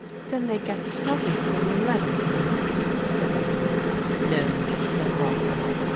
"Then they guessed nothing from your letter, Ian?" said Aline. "No," said Walter.